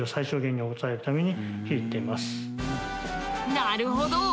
なるほど！